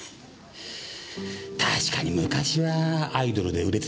確かに昔はアイドルで売れてたんですがね